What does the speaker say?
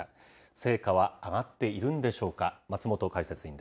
成果は上がっているんでしょうか。